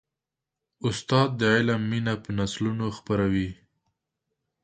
استاد د علم مینه په نسلونو خپروي.